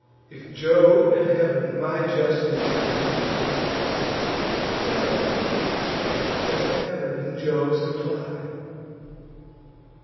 If Jove and Heav'n my just desires deny, Hell shall the pow'r of Heav'n and Jove supply.